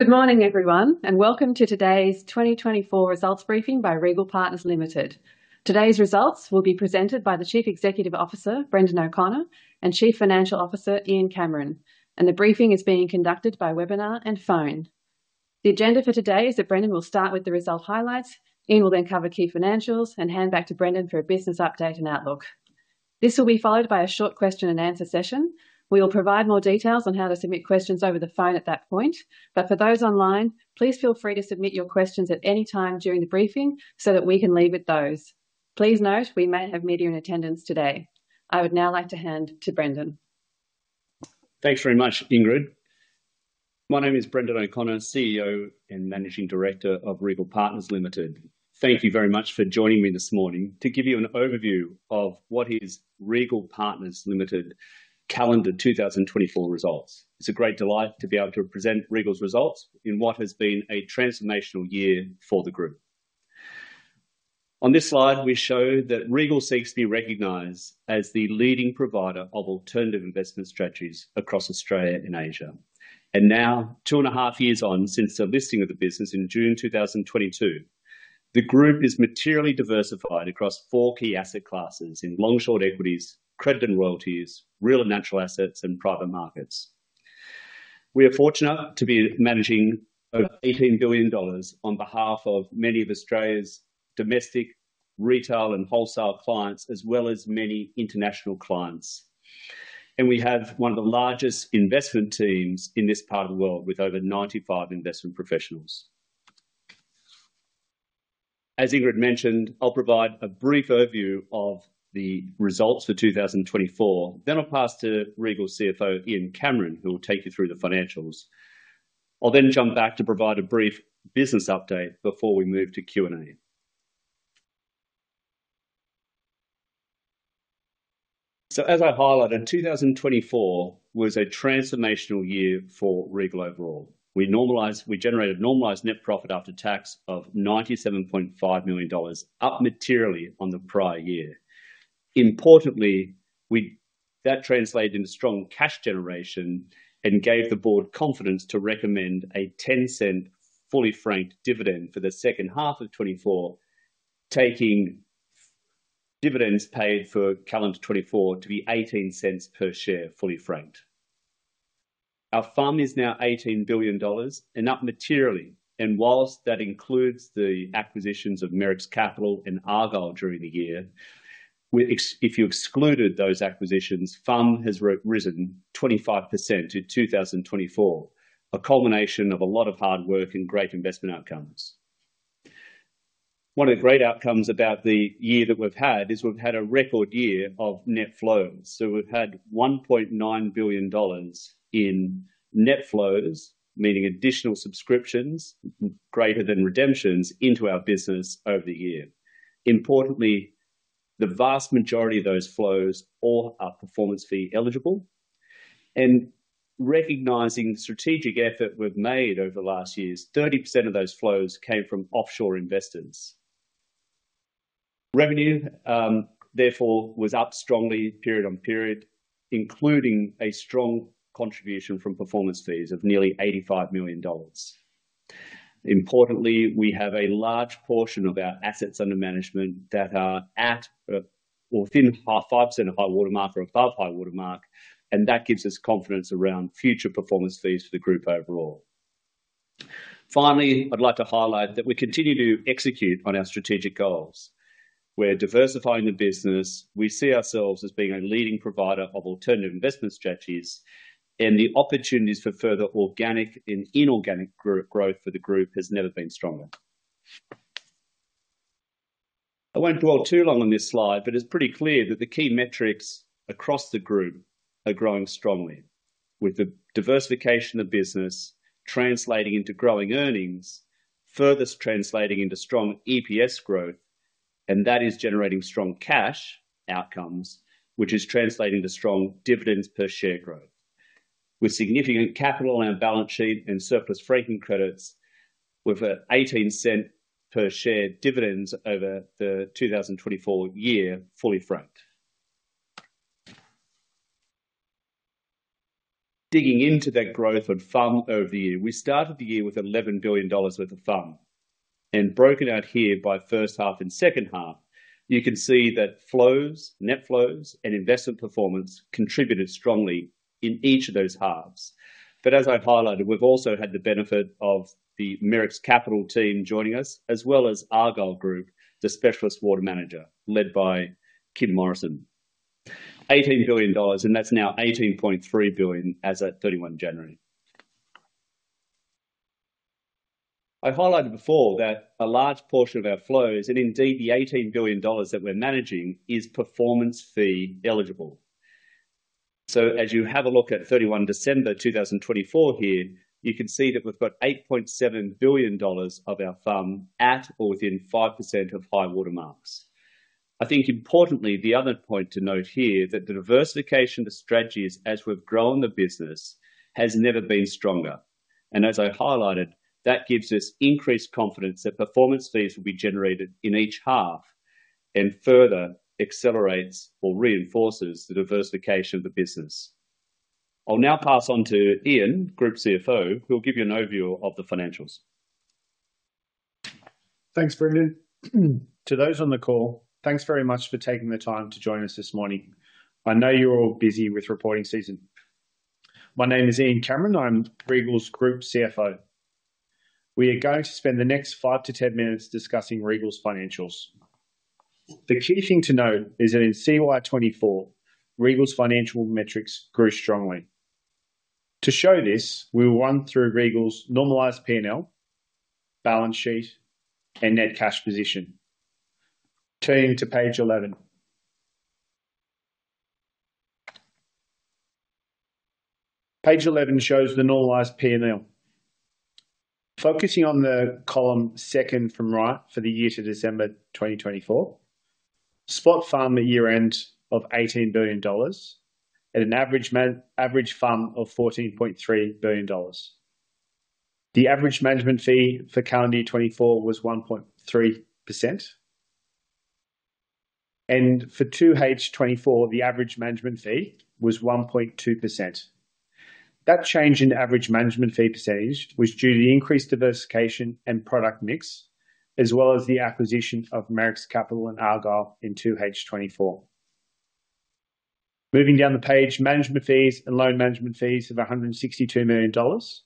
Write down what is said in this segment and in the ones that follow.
Good morning, everyone, and welcome to today's 2024 results briefing by Regal Partners Limited. Today's results will be presented by the Chief Executive Officer, Brendan O'Connor, and Chief Financial Officer, Ian Cameron, and the briefing is being conducted by webinar and phone. The agenda for today is that Brendan will start with the result highlights, Ian will then cover key financials, and hand back to Brendan for a business update and outlook. This will be followed by a short question-and-answer session. We will provide more details on how to submit questions over the phone at that point, but for those online, please feel free to submit your questions at any time during the briefing so that we can leave with those. Please note we may have media in attendance today. I would now like to hand to Brendan. Thanks very much, Ingrid. My name is Brendan O'Connor, CEO and Managing Director of Regal Partners Limited. Thank you very much for joining me this morning to give you an overview of what is Regal Partners Limited calendar 2024 results. It's a great delight to be able to present Regal's results in what has been a transformational year for the group. On this slide, we show that Regal seeks to be recognized as the leading provider of alternative investment strategies across Australia and Asia, and now two and a half years on since the listing of the business in June 2022. The group is materially diversified across four key asset classes in long-short equities, credit and royalties, real and natural assets, and private markets. We are fortunate to be managing over 18 billion dollars on behalf of many of Australia's domestic, retail, and wholesale clients, as well as many international clients. We have one of the largest investment teams in this part of the world with over 95 investment professionals. As Ingrid mentioned, I'll provide a brief overview of the results for 2024, then I'll pass to Regal's CFO, Ian Cameron, who will take you through the financials. I'll then jump back to provide a brief business update before we move to Q&A. As I highlighted, 2024 was a transformational year for Regal overall. We generated normalized net profit after tax of 97.5 million dollars, up materially on the prior year. Importantly, that translated into strong cash generation and gave the board confidence to recommend a 0.10 fully franked dividend for the second half of 2024, taking dividends paid for calendar 2024 to be 0.18 per share fully franked. Our fund is now 18 billion dollars, and up materially. And while that includes the acquisitions of Merricks Capital and Argyle during the year, if you excluded those acquisitions, FUM has risen 25% in 2024, a culmination of a lot of hard work and great investment outcomes. One of the great outcomes about the year that we've had is we've had a record year of net flows. So we've had 1.9 billion dollars in net flows, meaning additional subscriptions greater than redemptions into our business over the year. Importantly, the vast majority of those flows all are performance fee eligible. And recognising the strategic effort we've made over the last year, 30% of those flows came from offshore investors. Revenue, therefore, was up strongly period on period, including a strong contribution from performance fees of nearly 85 million dollars. Importantly, we have a large portion of our assets under management that are at or within a high water mark or above high water mark, and that gives us confidence around future performance fees for the group overall. Finally, I'd like to highlight that we continue to execute on our strategic goals. We're diversifying the business. We see ourselves as being a leading provider of alternative investment strategies, and the opportunities for further organic and inorganic growth for the group have never been stronger. I won't dwell too long on this slide, but it's pretty clear that the key metrics across the group are growing strongly, with the diversification of business translating into growing earnings, further translating into strong EPS growth, and that is generating strong cash outcomes, which is translating to strong dividends per share growth. With significant capital on our balance sheet and surplus franking credits, we've got 18 cents per share dividends over the 2024 year fully franked. Digging into that growth of fund over the year, we started the year with 11 billion dollars worth of fund, and broken out here by first half and second half, you can see that flows, net flows, and investment performance contributed strongly in each of those halves, but as I highlighted, we've also had the benefit of the Merricks Capital team joining us, as well as Argyle Capital Partners, the specialist water manager led by Kim Morison. 18 billion dollars, and that's now 18.3 billion as of 31 January. I highlighted before that a large portion of our flows, and indeed the 18 billion dollars that we're managing, is performance fee eligible. As you have a look at 31 December 2024 here, you can see that we've got 8.7 billion dollars of our fund at or within 5% of high water marks. I think importantly, the other point to note here is that the diversification of strategies as we've grown the business has never been stronger. And as I highlighted, that gives us increased confidence that performance fees will be generated in each half and further accelerates or reinforces the diversification of the business. I'll now pass on to Ian, Group CFO, who will give you an overview of the financials. Thanks, Brendan. To those on the call, thanks very much for taking the time to join us this morning. I know you're all busy with reporting season. My name is Ian Cameron. I'm Regal's Group CFO. We are going to spend the next 5 to 10 minutes discussing Regal's financials. The key thing to note is that in CY24, Regal's financial metrics grew strongly. To show this, we will run through Regal's normalized P&L, balance sheet, and net cash position. Turning to page 11. page 11 shows the normalized P&L. Focusing on the column second from right for the year to December 2024, spot fund at year-end of 18 billion dollars and an average fund of 14.3 billion dollars. The average management fee for calendar year 2024 was 1.3%, and for 2H24, the average management fee was 1.2%. That change in average management fee percentage was due to the increased diversification and product mix, as well as the acquisition of Merricks Capital and Argyle in 2H24. Moving down the page, management fees and loan management fees of 162 million dollars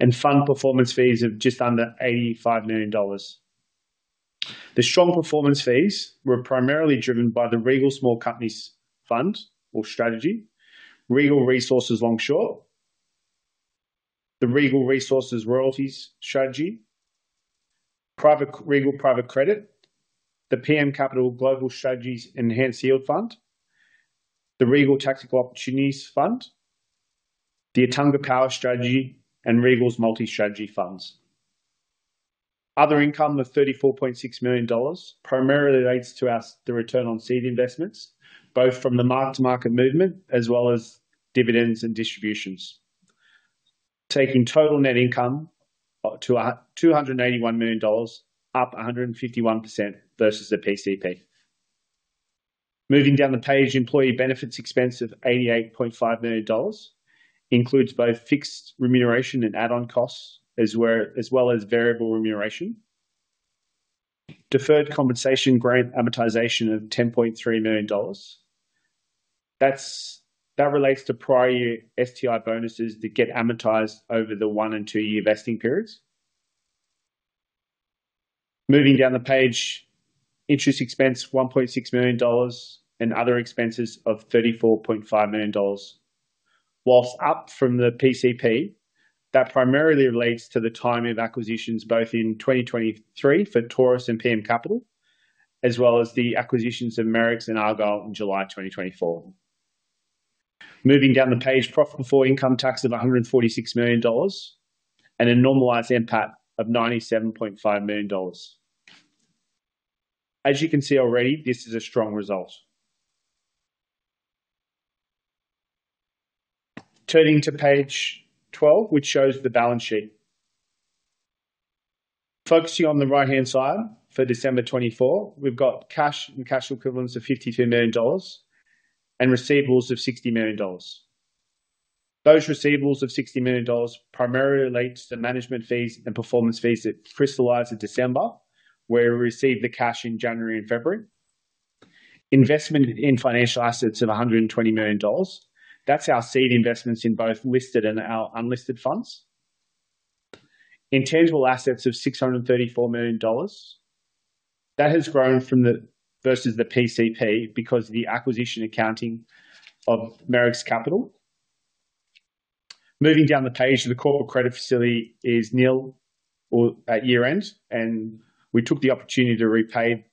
and fund performance fees of just under 85 million dollars. The strong performance fees were primarily driven by the Regal Small Companies Fund or strategy, Regal Resources Long Short, the Regal Resources Royalties Strategy, Regal Private Credit, the PM Capital Global Strategies, Enhanced Yield Fund, the Regal Tactical Opportunities Fund, the Attunga Power Strategy, and Regal's Multi-Strategy Funds. Other income of 34.6 million dollars primarily relates to the return on seed investments, both from the mark-to-market movement as well as dividends and distributions, taking total net income to 281 million dollars, up 151% versus the PCP. Moving down the page, employee benefits expense of 88.5 million dollars includes both fixed remuneration and add-on costs, as well as variable remuneration. Deferred compensation grant amortization of 10.3 million dollars. That relates to prior year STI bonuses that get amortized over the one- and two-year vesting periods. Moving down the page, interest expense 1.6 million dollars and other expenses of 34.5 million dollars, while up from the PCP, that primarily relates to the timing of acquisitions both in 2023 for Taurus and PM Capital, as well as the acquisitions of Merricks and Argyle in July 2024. Moving down the page, profit before income tax of 146 million dollars and a normalized NPAT of 97.5 million dollars. As you can see already, this is a strong result. Turning to page 12, which shows the balance sheet. Focusing on the right-hand side for December 2024, we've got cash and cash equivalents of 52 million dollars and receivables of 60 million dollars. Those receivables of 60 million dollars primarily relate to the management fees and performance fees that crystallized in December, where we received the cash in January and February. Investment in financial assets of 120 million dollars. That's our seed investments in both listed and our unlisted funds. Intangible assets of 634 million dollars. That has grown versus the PCP because of the acquisition accounting of Merricks Capital. Moving down the page, the corporate credit facility is nil at year-end, and we took the opportunity to repay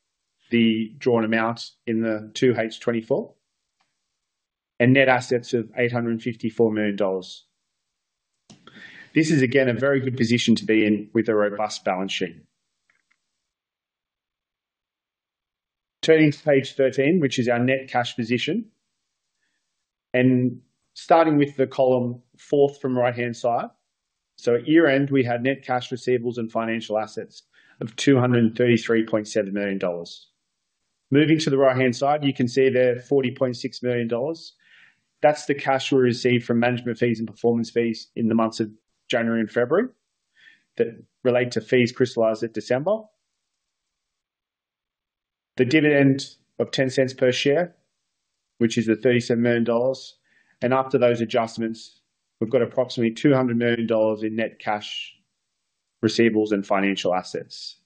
the drawn amount in the 2H24, and net assets of 854 million dollars. This is, again, a very good position to be in with a robust balance sheet. Turning to page 13, which is our net cash position, and starting with the column fourth from right-hand side. So at year-end, we had net cash receivables and financial assets of 233.7 million dollars. Moving to the right-hand side, you can see there 40.6 million dollars. That's the cash we received from management fees and performance fees in the months of January and February that relate to fees crystallized at December. The dividend of 0.10 per share, which is the 37 million dollars. And after those adjustments, we've got approximately 200 million dollars in net cash receivables and financial assets.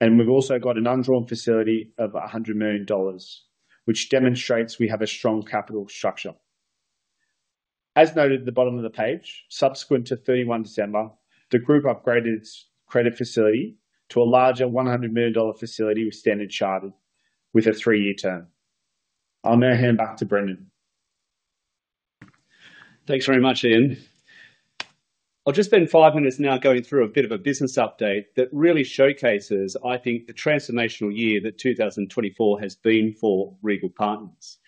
And we've also got an undrawn facility of 100 million dollars, which demonstrates we have a strong capital structure. As noted at the bottom of the page, subsequent to 31 December, the group upgraded its credit facility to a larger 100 million dollar facility with Standard Chartered with a three-year term. I'll now hand back to Brendan. Thanks very much, Ian. I'll just spend five minutes now going through a bit of a business update that really showcases, I think, the transformational year that 2024 has been for Regal Partners.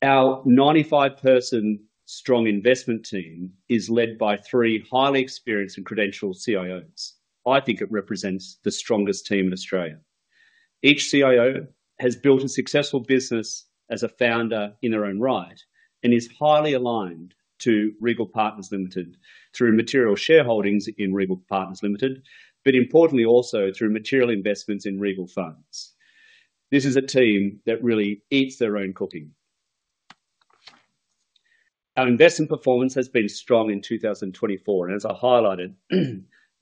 Our 95-person strong investment team is led by three highly experienced and credentialed CIOs. I think it represents the strongest team in Australia. Each CIO has built a successful business as a founder in their own right and is highly aligned to Regal Partners Limited through material shareholdings in Regal Partners Limited, but importantly also through material investments in Regal Funds. This is a team that really eats their own cooking. Our investment performance has been strong in 2024, and as I highlighted,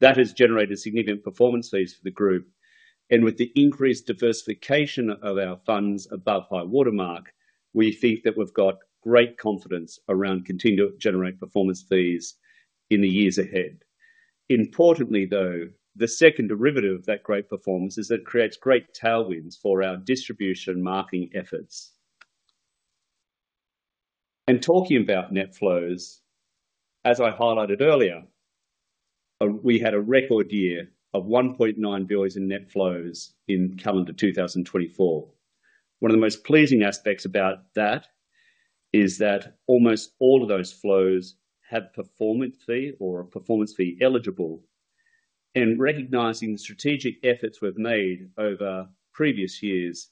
that has generated significant performance fees for the group. And with the increased diversification of our funds above high water mark, we think that we've got great confidence around continuing to generate performance fees in the years ahead. Importantly, though, the second derivative of that great performance is that it creates great tailwinds for our distribution marketing efforts. And talking about net flows, as I highlighted earlier, we had a record year of 1.9 billion in net flows in calendar 2024. One of the most pleasing aspects about that is that almost all of those flows have performance fee or are performance fee eligible. And recognizing the strategic efforts we've made over previous years,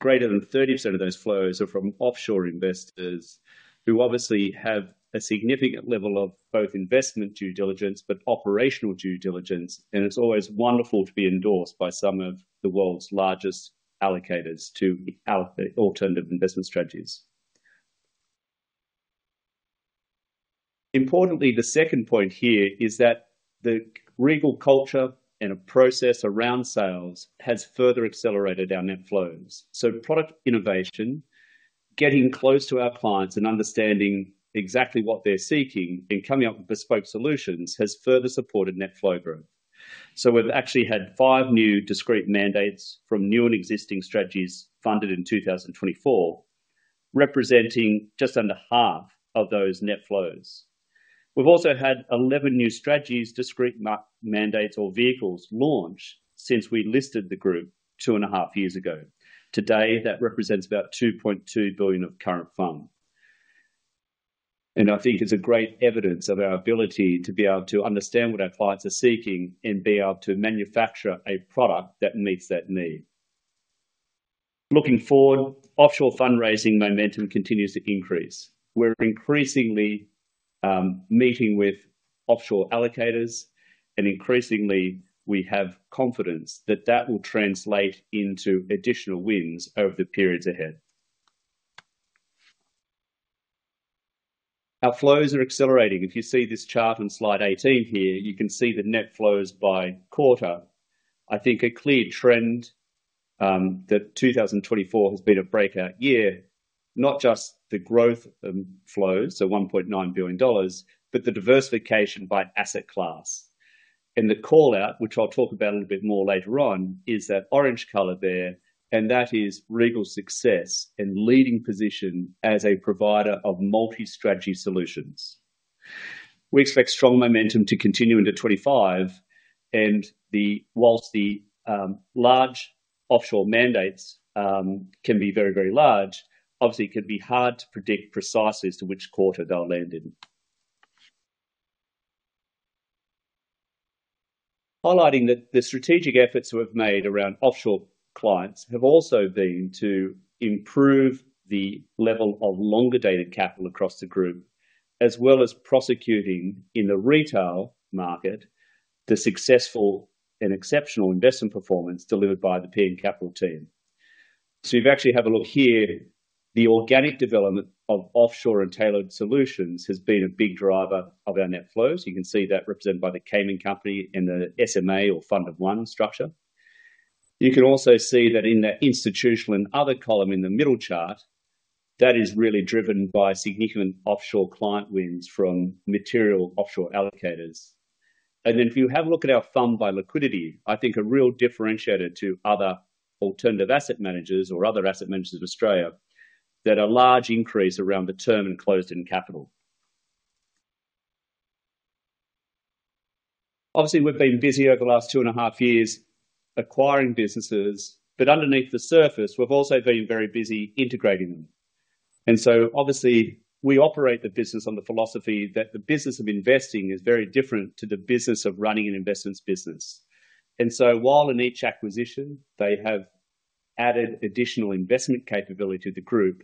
greater than 30% of those flows are from offshore investors who obviously have a significant level of both investment due diligence but operational due diligence. And it's always wonderful to be endorsed by some of the world's largest allocators to alternative investment strategies. Importantly, the second point here is that the Regal culture and a process around sales has further accelerated our net flows. Product innovation, getting close to our clients and understanding exactly what they're seeking and coming up with bespoke solutions has further supported net flow growth, so we've actually had five new discrete mandates from new and existing strategies funded in 2024, representing just under half of those net flows. We've also had 11 new strategies, discrete mandates, or vehicles launched since we listed the group two and a half years ago. Today, that represents about 2.2 billion of current fund, and I think it's great evidence of our ability to be able to understand what our clients are seeking and be able to manufacture a product that meets that need. Looking forward, offshore fundraising momentum continues to increase. We're increasingly meeting with offshore allocators, and increasingly we have confidence that that will translate into additional wins over the periods ahead. Our flows are accelerating. If you see this chart on Slide 18 here, you can see the net flows by quarter. I think a clear trend that 2024 has been a breakout year, not just the growth of flows, so $1.9 billion, but the diversification by asset class, and the callout, which I'll talk about a little bit more later on, is that orange color there, and that is Regal's success and leading position as a provider of multi-strategy solutions. We expect strong momentum to continue into 2025, and while the large offshore mandates can be very, very large, obviously it can be hard to predict precisely as to which quarter they'll land in. Highlighting that the strategic efforts we've made around offshore clients have also been to improve the level of longer-dated capital across the group, as well as prosecuting in the retail market the successful and exceptional investment performance delivered by the PM Capital team. So if you actually have a look here, the organic development of offshore and tailored solutions has been a big driver of our net flows. You can see that represented by the Cayman Company and the SMA or Fund of One structure. You can also see that in the institutional and other column in the middle chart, that is really driven by significant offshore client wins from material offshore allocators. And then, if you have a look at our FUM by liquidity, I think a real differentiator to other alternative asset managers or other asset managers in Australia that a large increase around the term and closed-end capital. Obviously, we've been busy over the last two and a half years acquiring businesses, but underneath the surface, we've also been very busy integrating them. And so obviously, we operate the business on the philosophy that the business of investing is very different to the business of running an investment business. While in each acquisition, they have added additional investment capability to the group,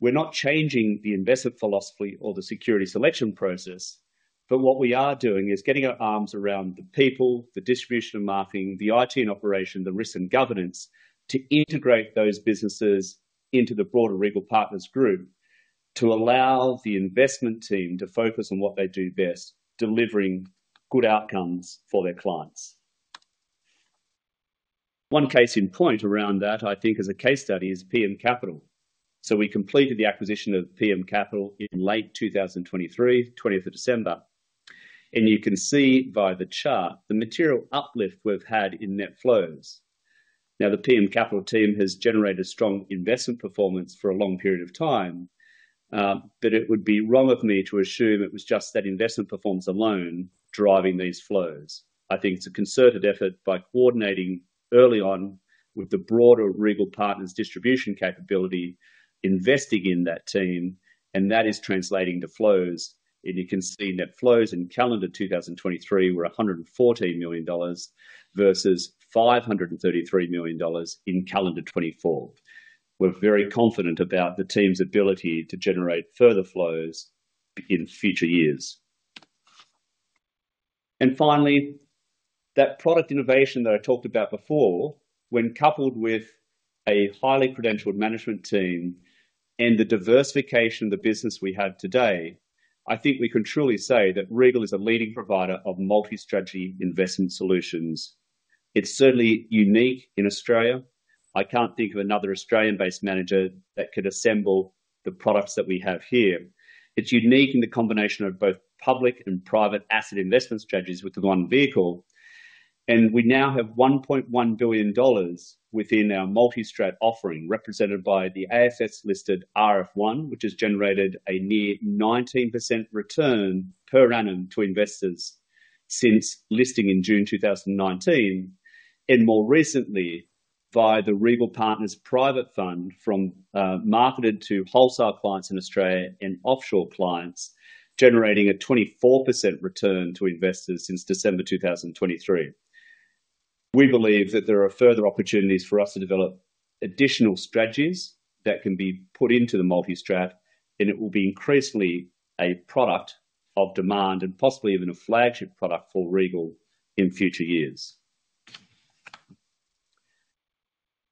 we're not changing the investment philosophy or the security selection process, but what we are doing is getting our arms around the people, the distribution and marketing, the IT and operations, the risk and governance to integrate those businesses into the broader Regal Partners group to allow the investment team to focus on what they do best, delivering good outcomes for their clients. One case in point around that, I think, is a case study, PM Capital. We completed the acquisition of PM Capital in late 2023, 20th of December. You can see by the chart the material uplift we've had in net flows. Now, the PM Capital team has generated strong investment performance for a long period of time, but it would be wrong of me to assume it was just that investment performance alone driving these flows. I think it's a concerted effort by coordinating early on with the broader Regal Partners distribution capability, investing in that team, and that is translating to flows, and you can see net flows in calendar 2023 were 114 million dollars versus 533 million dollars in calendar 2024. We're very confident about the team's ability to generate further flows in future years, and finally, that product innovation that I talked about before, when coupled with a highly credentialed management team and the diversification of the business we have today, I think we can truly say that Regal is a leading provider of multi-strategy investment solutions. It's certainly unique in Australia. I can't think of another Australian-based manager that could assemble the products that we have here. It's unique in the combination of both public and private asset investment strategies with the one vehicle, and we now have 1.1 billion dollars within our multi-strat offering represented by the ASX-listed RF1, which has generated a near 19% return per annum to investors since listing in June 2019, and more recently via the Regal Partners Private Fund marketed to wholesale clients in Australia and offshore clients, generating a 24% return to investors since December 2023. We believe that there are further opportunities for us to develop additional strategies that can be put into the multi-strat, and it will be increasingly a product of demand and possibly even a flagship product for Regal in future years.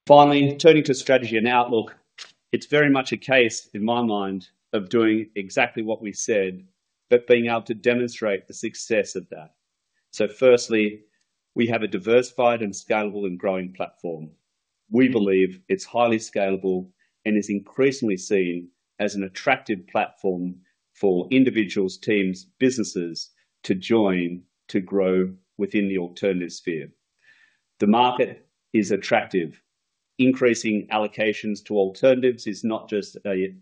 Finally, turning to strategy and outlook, it's very much a case in my mind of doing exactly what we said, but being able to demonstrate the success of that. So firstly, we have a diversified and scalable and growing platform. We believe it's highly scalable and is increasingly seen as an attractive platform for individuals, teams, businesses to join to grow within the alternative sphere. The market is attractive. Increasing allocations to alternatives is not just a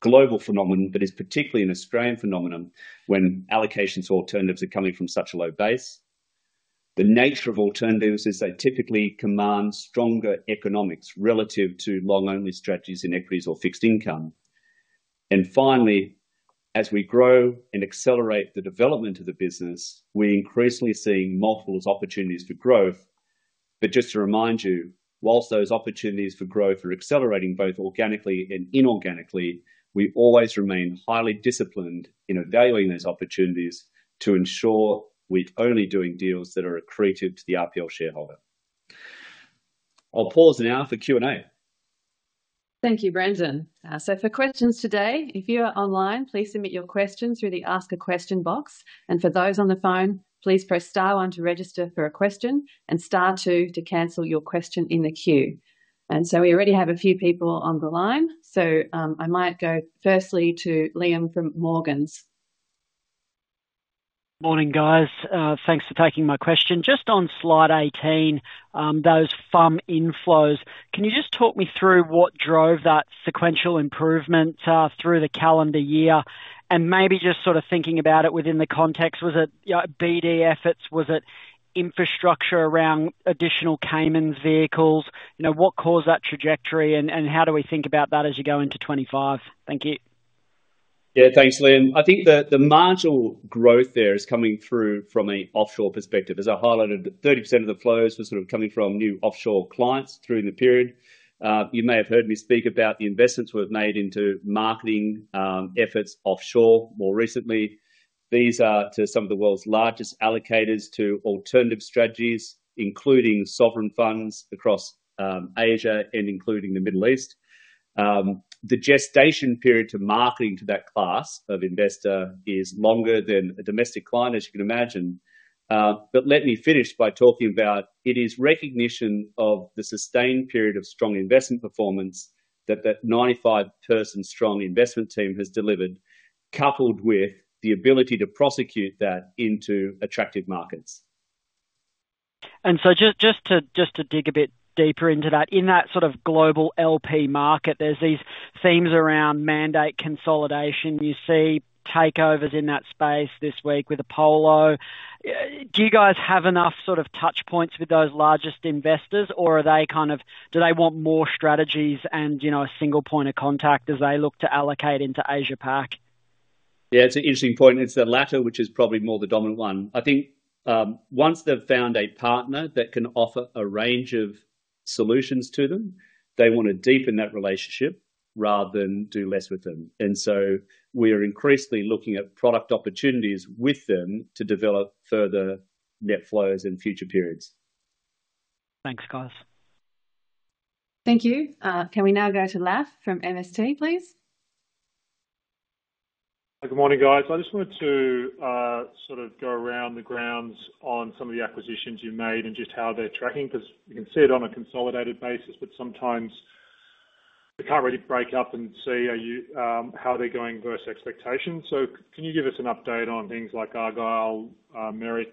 global phenomenon, but is particularly an Australian phenomenon when allocations to alternatives are coming from such a low base. The nature of alternatives is they typically command stronger economics relative to long-only strategies in equities or fixed income. And finally, as we grow and accelerate the development of the business, we're increasingly seeing multiple opportunities for growth. But just to remind you, while those opportunities for growth are accelerating both organically and inorganically, we always remain highly disciplined in evaluating those opportunities to ensure we're only doing deals that are accretive to the RPL shareholder. I'll pause now for Q&A. Thank you, Brendan. So for questions today, if you are online, please submit your questions through the Ask a Question box. And for those on the phone, please press star one to register for a question and star two to cancel your question in the queue. And so we already have a few people on the line. So I might go firstly to Liam from Morgans. Morning, guys. Thanks for taking my question. Just on Slide 18, those fund inflows, can you just talk me through what drove that sequential improvement through the calendar year? And maybe just sort of thinking about it within the context, was it BD efforts? Was it infrastructure around additional Cayman vehicles? What caused that trajectory and how do we think about that as you go into 2025? Thank you. Yeah, thanks, Liam. I think the marginal growth there is coming through from an offshore perspective. As I highlighted, 30% of the flows were sort of coming from new offshore clients through the period. You may have heard me speak about the investments we've made into marketing efforts offshore more recently. These are to some of the world's largest allocators to alternative strategies, including sovereign funds across Asia and including the Middle East. The gestation period to marketing to that class of investor is longer than a domestic client, as you can imagine. But let me finish by talking about it is recognition of the sustained period of strong investment performance that that 95-person strong investment team has delivered, coupled with the ability to prosecute that into attractive markets. And so just to dig a bit deeper into that, in that sort of global LP market, there's these themes around mandate consolidation. You see takeovers in that space this week with Apollo. Do you guys have enough sort of touch points with those largest investors, or are they kind of, do they want more strategies and a single point of contact as they look to allocate into Asia-Pac? Yeah, it's an interesting point. It's the latter, which is probably more the dominant one. I think once they've found a partner that can offer a range of solutions to them, they want to deepen that relationship rather than do less with them. And so we are increasingly looking at product opportunities with them to develop further net flows in future periods. Thanks, guys. Thank you. Can we now go to Laf from MST, please? Good morning, guys. I just wanted to sort of go around the grounds on some of the acquisitions you've made and just how they're tracking, because you can see it on a consolidated basis, but sometimes we can't really break up and see how they're going versus expectations. So can you give us an update on things like Argyle, Merricks,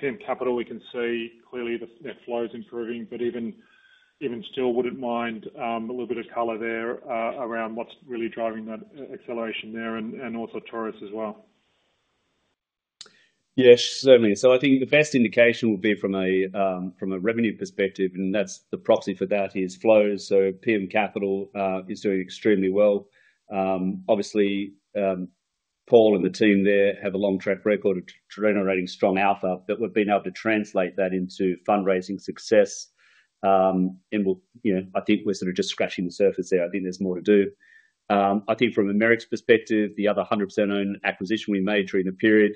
PM Capital? We can see clearly the net flow is improving, but even still, wouldn't mind a little bit of color there around what's really driving that acceleration there and also Taurus as well. Yes, certainly. So I think the best indication would be from a revenue perspective, and that's the proxy for that is flows. So PM Capital is doing extremely well. Obviously, Paul and the team there have a long track record of generating strong alpha, but we've been able to translate that into fundraising success. And I think we're sort of just scratching the surface there. I think there's more to do. I think from a Merricks perspective, the other 100% owned acquisition we made during the period,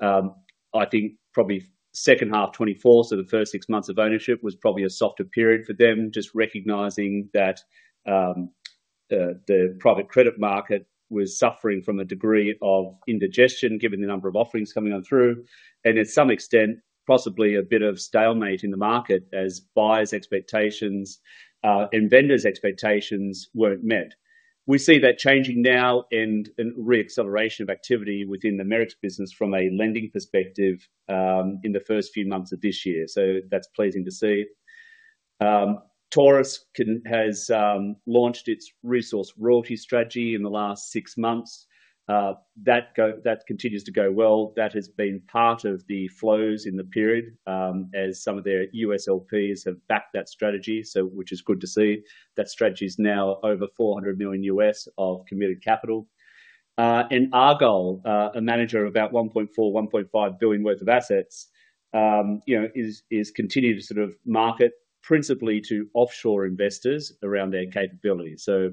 I think probably second half 2024, so the first six months of ownership was probably a softer period for them, just recognizing that the private credit market was suffering from a degree of indigestion given the number of offerings coming on through. And to some extent, possibly a bit of stalemate in the market as buyers' expectations and vendors' expectations weren't met. We see that changing now and a reacceleration of activity within the Merricks business from a lending perspective in the first few months of this year, so that's pleasing to see. Taurus has launched its resource royalty strategy in the last six months. That continues to go well. That has been part of the flows in the period as some of their U.S. LPs have backed that strategy, which is good to see. That strategy is now over $400 million of committed capital, and Argyle, a manager of about 1.4-1.5 billion worth of assets, is continuing to sort of market principally to offshore investors around their capability, so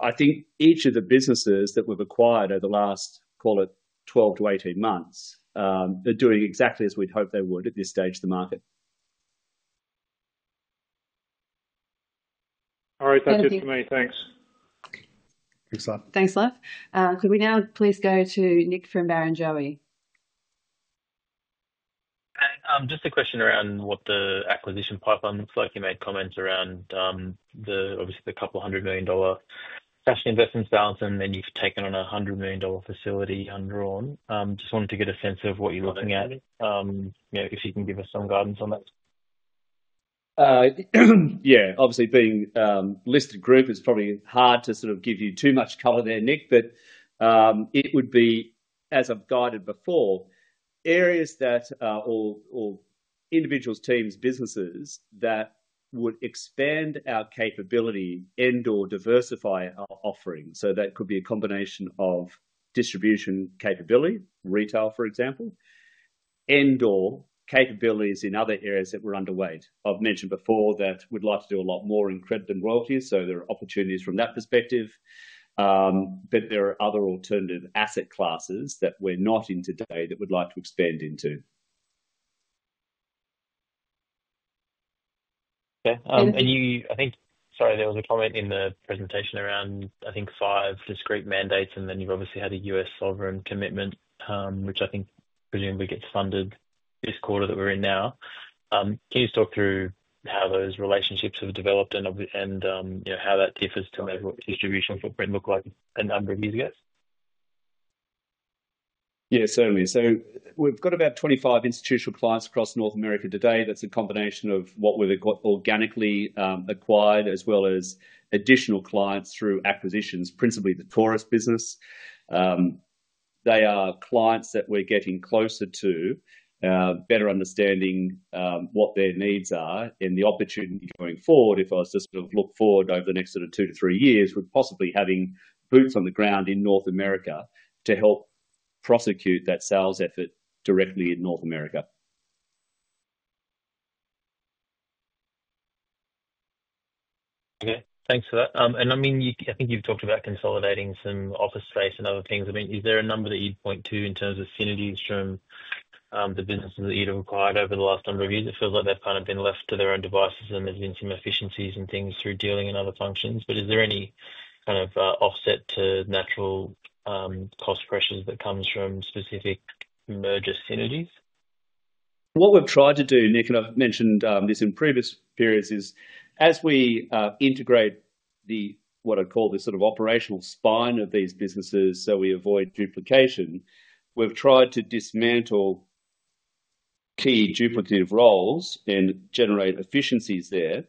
I think each of the businesses that we've acquired over the last, call it 12 to 18 months, are doing exactly as we'd hoped they would at this stage of the market. All right, that's it for me. Thanks. Thanks, Laf. Thanks, Laf. Could we now please go to Nick McGarrigle from Barrenjoey? Just a question around what the acquisition pipeline looks like. You made comments around obviously the 200 million dollar cash investment balance, and then you've taken on a 100 million dollar facility undrawn. Just wanted to get a sense of what you're looking at, if you can give us some guidance on that. Yeah, obviously being a listed group, it's probably hard to sort of give you too much cover there, Nick, but it would be, as I've guided before, areas that are all individuals, teams, businesses that would expand our capability and/or diversify our offering. So that could be a combination of distribution capability, retail, for example, and/or capabilities in other areas that were underway. I've mentioned before that we'd like to do a lot more in credit and royalties, so there are opportunities from that perspective. But there are other alternative asset classes that we're not in today that we'd like to expand into. Okay. And I think, sorry, there was a comment in the presentation around, I think, five discrete mandates, and then you've obviously had a U.S. sovereign commitment, which I think presumably gets funded this quarter that we're in now. Can you just talk through how those relationships have developed and how that differs to maybe what distribution footprint looked like a number of years ago? Yeah, certainly. So we've got about 25 institutional clients across North America today. That's a combination of what we've got organically acquired as well as additional clients through acquisitions, principally the Taurus business. They are clients that we're getting closer to, better understanding what their needs are and the opportunity going forward. If I was to sort of look forward over the next sort of two to three years, we're possibly having boots on the ground in North America to help prosecute that sales effort directly in North America. Okay, thanks for that. And I mean, I think you've talked about consolidating some office space and other things. I mean, is there a number that you'd point to in terms of synergies from the businesses that you'd have acquired over the last number of years? It feels like they've kind of been left to their own devices and there's been some efficiencies and things through dealing and other functions. But is there any kind of offset to natural cost pressures that comes from specific merger synergies? What we've tried to do, Nick, and I've mentioned this in previous periods, is as we integrate what I'd call the sort of operational spine of these businesses so we avoid duplication, we've tried to dismantle key duplicative roles and generate efficiencies there.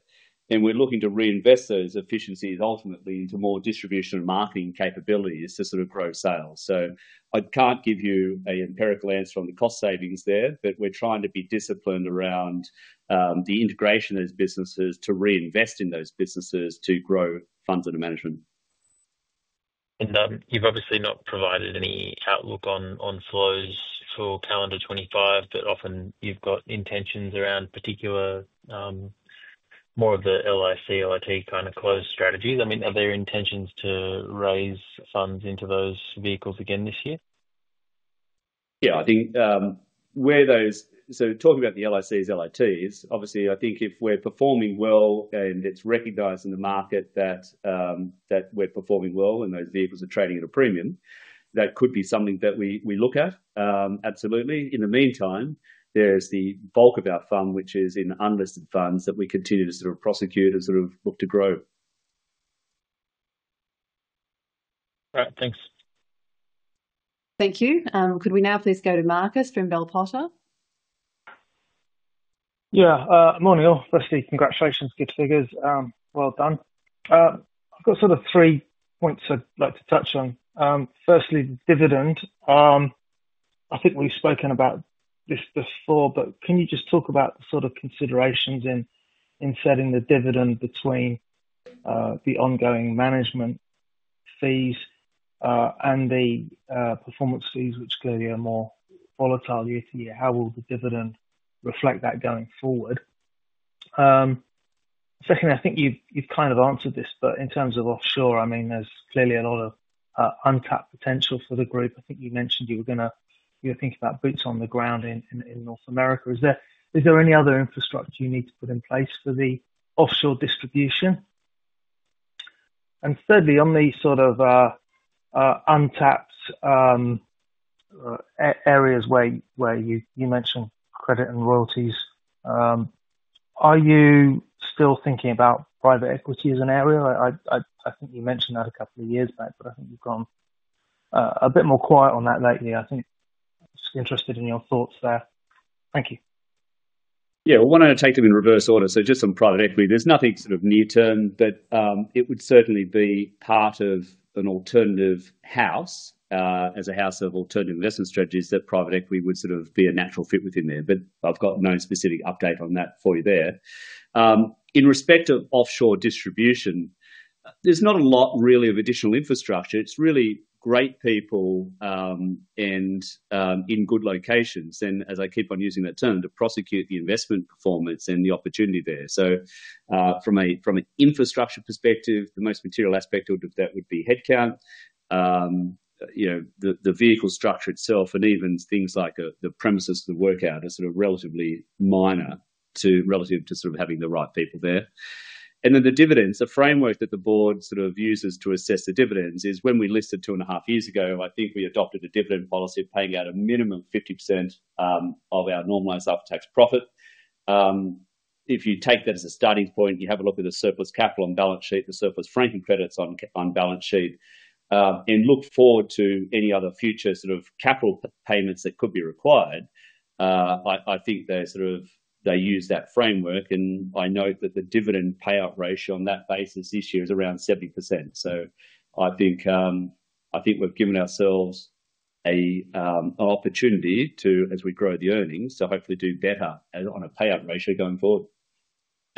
And we're looking to reinvest those efficiencies ultimately into more distribution and marketing capabilities to sort of grow sales. So I can't give you an empirical answer on the cost savings there, but we're trying to be disciplined around the integration of those businesses to reinvest in those businesses to grow funds under management. You've obviously not provided any outlook on flows for calendar 2025, but often you've got intentions around particular more of the LIC, LIT kind of closed strategies. I mean, are there intentions to raise funds into those vehicles again this year? Yeah, I think with those, so talking about the LICs, LITs, obviously, I think if we're performing well and it's recognized in the market that we're performing well and those vehicles are trading at a premium, that could be something that we look at. Absolutely. In the meantime, there's the bulk of our fund, which is in unlisted funds that we continue to sort of prosecute and sort of look to grow. All right, thanks. Thank you. Could we now please go to Marcus from Bell Potter? Yeah, morning, all. Firstly, congratulations, good figures. Well done. I've got sort of three points I'd like to touch on. Firstly, dividend. I think we've spoken about this before, but can you just talk about the sort of considerations in setting the dividend between the ongoing management fees and the performance fees, which clearly are more volatile year to year? How will the dividend reflect that going forward? Secondly, I think you've kind of answered this, but in terms of offshore, I mean, there's clearly a lot of untapped potential for the group. I think you mentioned you were going to think about boots on the ground in North America. Is there any other infrastructure you need to put in place for the offshore distribution? And thirdly, on the sort of untapped areas where you mentioned credit and royalties, are you still thinking about private equity as an area? I think you mentioned that a couple of years back, but I think you've gone a bit more quiet on that lately. I think I'm just interested in your thoughts there. Thank you. Yeah, I want to take them in reverse order. So just on private equity, there's nothing sort of near term, but it would certainly be part of an alternative house as a house of alternative investment strategies that private equity would sort of be a natural fit within there. But I've got no specific update on that for you there. In respect of offshore distribution, there's not a lot really of additional infrastructure. It's really great people and in good locations. And as I keep on using that term, to prosecute the investment performance and the opportunity there. So from an infrastructure perspective, the most material aspect of that would be headcount. The vehicle structure itself and even things like the premises of the workout are sort of relatively minor relative to sort of having the right people there. And then the dividends, the framework that the board sort of uses to assess the dividends is when we listed two and a half years ago. I think we adopted a dividend policy of paying out a minimum of 50% of our normalized after-tax profit. If you take that as a starting point, you have a look at the surplus capital on balance sheet, the surplus franking credits on balance sheet, and look forward to any other future sort of capital payments that could be required. I think they sort of use that framework, and I note that the dividend payout ratio on that basis this year is around 70%. So I think we've given ourselves an opportunity to, as we grow the earnings, to hopefully do better on a payout ratio going forward.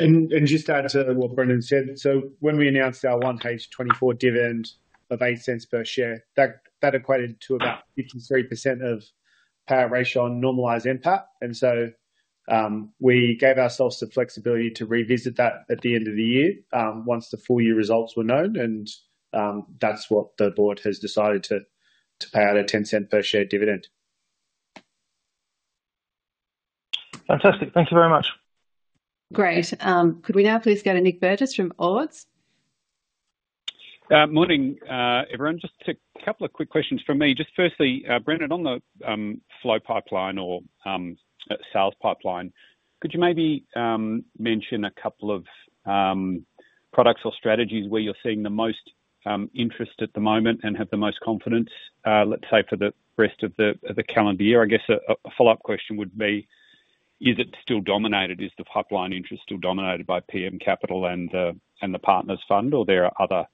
Just add to what Brendan said. So when we announced our 1H24 dividend of 0.08 per share, that equated to about 53% of payout ratio on normalized NPAT. And so we gave ourselves the flexibility to revisit that at the end of the year once the full year results were known. And that's what the board has decided to pay out a 0.10 per share dividend. Fantastic. Thank you very much. Great. Could we now please go to Nick Burgess from Ord Minnett? Morning, everyone. Just a couple of quick questions from me. Just firstly, Brendan, on the flow pipeline or sales pipeline, could you maybe mention a couple of products or strategies where you're seeing the most interest at the moment and have the most confidence, let's say, for the rest of the calendar year? I guess a follow-up question would be, is it still dominated? Is the pipeline interest still dominated by PM Capital and the Partners Fund, or are there other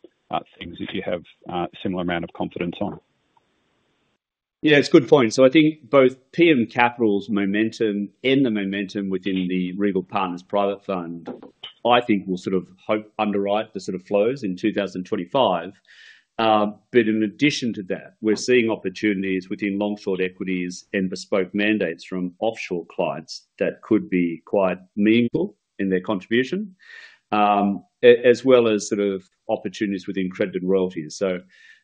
things that you have a similar amount of confidence on? Yeah, it's a good point so I think both PM Capital's momentum and the momentum within the Regal Partners Private Fund, I think, will sort of underwrite the sort of flows in 2025 but in addition to that, we're seeing opportunities within long-short equities and bespoke mandates from offshore clients that could be quite meaningful in their contribution, as well as sort of opportunities within credit and royalties so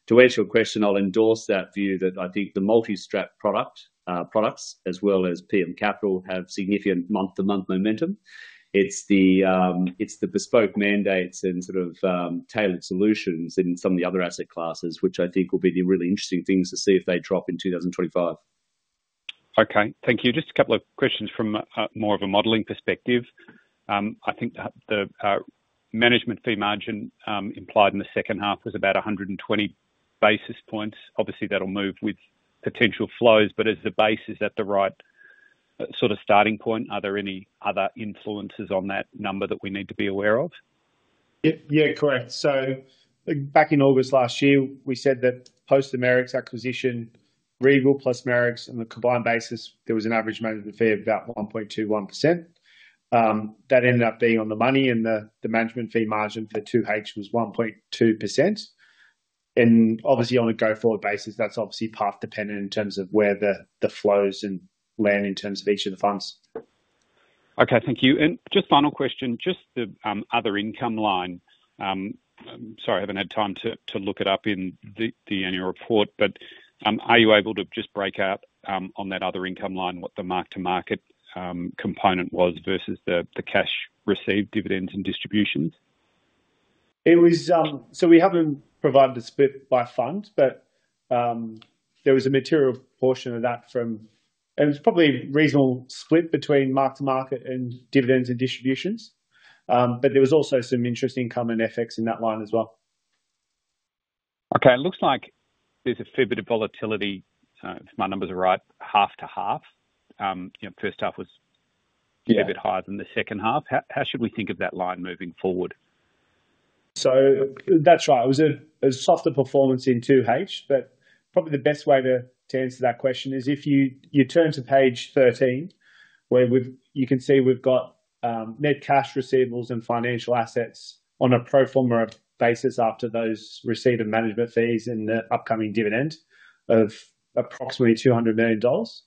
to answer your question, I'll endorse that view that I think the multi-strategy products, as well as PM Capital, have significant month-to-month momentum. It's the bespoke mandates and sort of tailored solutions in some of the other asset classes, which I think will be the really interesting things to see if they drop in 2025. Okay, thank you. Just a couple of questions from more of a modeling perspective. I think the management fee margin implied in the second half was about 120 basis points. Obviously, that'll move with potential flows, but as the base is at the right sort of starting point, are there any other influences on that number that we need to be aware of? Yeah, correct. So back in August last year, we said that post-Merricks acquisition, Regal plus Merricks on the combined basis, there was an average management fee of about 1.21%. That ended up being on the money, and the management fee margin for 2H was 1.2%. And obviously, on a go-forward basis, that's obviously path dependent in terms of where the flows and land in terms of each of the funds. Okay, thank you. And just final question, just the other income line. Sorry, I haven't had time to look it up in the annual report, but are you able to just break out on that other income line what the mark-to-market component was versus the cash received dividends and distributions? So we haven't provided a split by fund, but there was a material portion of that from, and it was probably a reasonable split between mark-to-market and dividends and distributions. But there was also some interest income and FX in that line as well. Okay, it looks like there's a fair bit of volatility, if my numbers are right, half to half. First half was a bit higher than the second half. How should we think of that line moving forward? That's right. It was a softer performance in 2H, but probably the best way to answer that question is if you turn to page 13, where you can see we've got net cash receivables and financial assets on a pro forma basis after those receipt and management fees and the upcoming dividend of approximately 200 million dollars.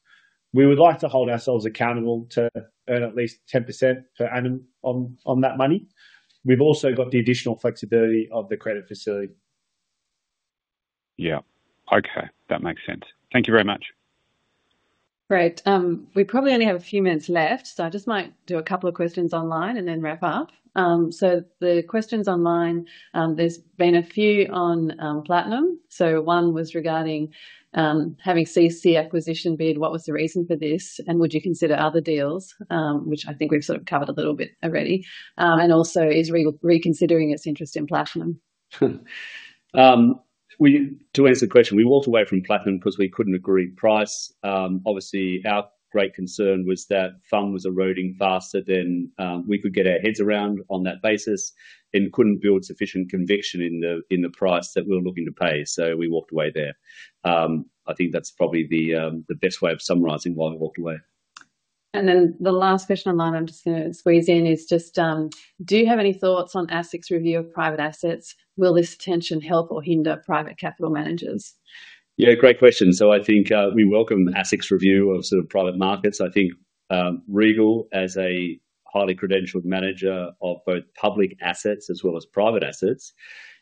We would like to hold ourselves accountable to earn at least 10% per annum on that money. We've also got the additional flexibility of the credit facility. Yeah. Okay, that makes sense. Thank you very much. Great. We probably only have a few minutes left, so I just might do a couple of questions online and then wrap up. So the questions online, there's been a few on Platinum. So one was regarding the acquisition bid. What was the reason for this? And would you consider other deals, which I think we've sort of covered a little bit already? And also, is Regal reconsidering its interest in Platinum? To answer the question, we walked away from Platinum because we couldn't agree price. Obviously, our great concern was that fund was eroding faster than we could get our heads around on that basis and couldn't build sufficient conviction in the price that we were looking to pay. So we walked away there. I think that's probably the best way of summarizing why we walked away. And then the last question online, I'm just going to squeeze in, is just, do you have any thoughts on ASIC's review of private assets? Will this attention help or hinder private capital managers? Yeah, great question. So I think we welcome ASIC's review of sort of private markets. I think Regal, as a highly credentialed manager of both public assets as well as private assets,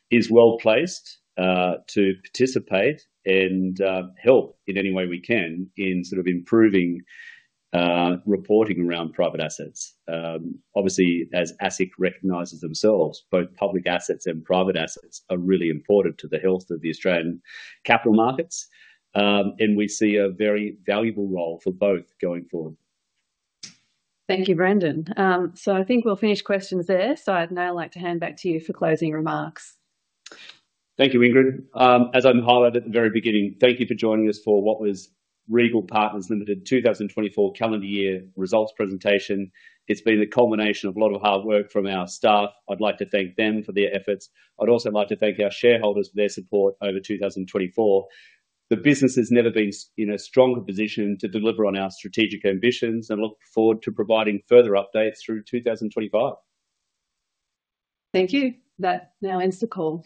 is well placed to participate and help in any way we can in sort of improving reporting around private assets. Obviously, as ASIC recognizes themselves, both public assets and private assets are really important to the health of the Australian capital markets, and we see a very valuable role for both going forward. Thank you, Brendan. So, I think we'll finish questions there. So, I'd now like to hand back to you for closing remarks. Thank you, Ingrid. As I highlighted at the very beginning, thank you for joining us for what was Regal Partners Limited 2024 calendar year results presentation. It's been the culmination of a lot of hard work from our staff. I'd like to thank them for their efforts. I'd also like to thank our shareholders for their support over 2024. The business has never been in a stronger position to deliver on our strategic ambitions and look forward to providing further updates through 2025. Thank you. That now ends the call.